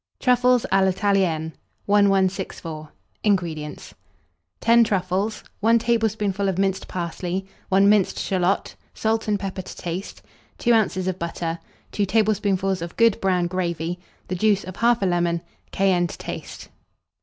TRUFFLES A L'ITALIENNE. 1164. INGREDIENTS. 10 truffles, 1 tablespoonful of minced parsley, 1 minced shalot, salt and pepper to taste, 2 oz. of butter, 2 tablespoonfuls of good brown gravy, the juice of 1/2 lemon, cayenne to taste.